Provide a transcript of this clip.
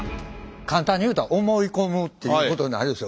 簡単に言うたら「思い込む」ということになるでしょ？